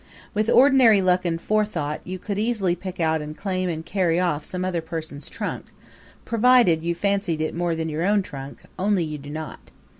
With ordinary luck and forethought you could easily pick out and claim and carry off some other person's trunk, provided you fancied it more than your own trunk, only you do not.